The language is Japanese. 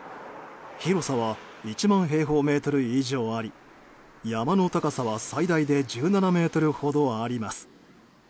広さは１万平方メートル以上あり山の高さは最大で１７ｍほどあります。